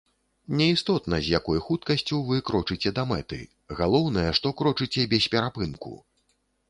Не істотна, з якой хуткасцю вы крочыце да мэты, галоўнае, што крочыце без перапынку!